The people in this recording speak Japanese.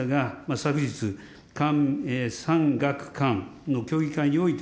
昨日、産学官の協議会において、